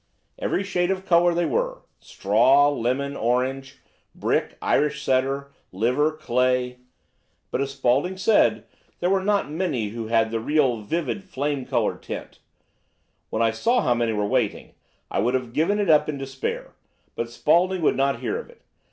Every shade of colour they were—straw, lemon, orange, brick, Irish setter, liver, clay; but, as Spaulding said, there were not many who had the real vivid flame coloured tint. When I saw how many were waiting, I would have given it up in despair; but Spaulding would not hear of it.